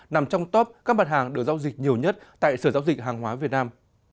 nằm trong top các mặt hàng được giao dịch nhiều nhất tại sở giao dịch hàng hóa việt nam